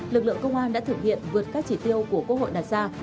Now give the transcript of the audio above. lực lượng công an đã thực hiện vượt các chỉ tiêu của quốc hội đặt ra